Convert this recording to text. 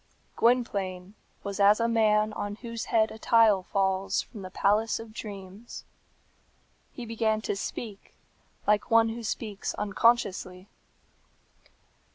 Gwynplaine was as a man on whose head a tile falls from the palace of dreams. He began to speak, like one who speaks unconsciously.